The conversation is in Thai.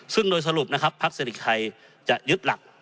ซึ่งโดยสรุปนะครับพระเศรษฐกิจไทยจะยึดหลัก